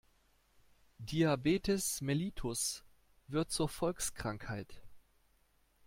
Diabetes mellitus wird zur Volkskrankheit.